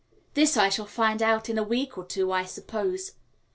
This I shall find out in a week or two, I suppose.